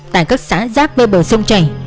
tại các xã giác bê bờ sông chảy